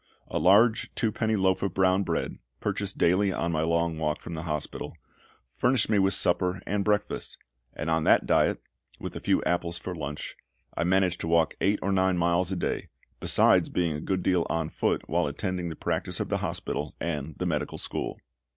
A large twopenny loaf of brown bread, purchased daily on my long walk from the hospital, furnished me with supper and breakfast; and on that diet, with a few apples for lunch, I managed to walk eight or nine miles a day, besides being a good deal on foot while attending the practice of the hospital and the medical school.